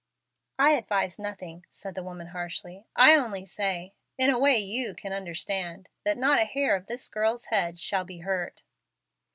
"I advise nothing," said the woman, harshly. "I only say, in a way you understand, not a hair of this girl's head shall be hurt."